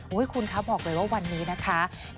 คุณคะบอกเลยว่าวันนี้นะคะ